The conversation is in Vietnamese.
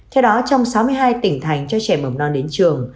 theo đó trong sáu mươi hai tỉnh thành cho trẻ mầm non đến trường